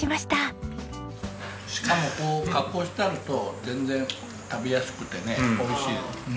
鹿もこう加工してあると全然食べやすくてね美味しい。